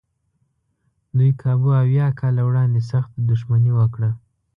دوی کابو اویا کاله وړاندې سخته دښمني وکړه.